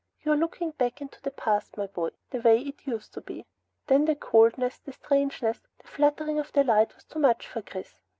You are looking back into the past, my boy. The way it used to be." Then the coldness, the strangeness, the fluttering of the light was too much for Chris.